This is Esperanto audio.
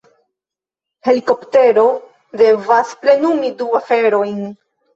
Helikoptero devas plenumi du aferojn.